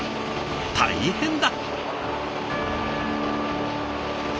大変だ！